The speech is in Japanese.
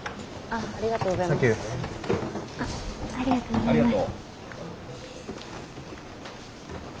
ありがとう。